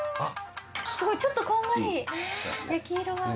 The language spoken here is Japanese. すごいちょっとこんがり焼き色が。